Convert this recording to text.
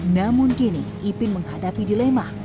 namun kini ipin menghadapi dilema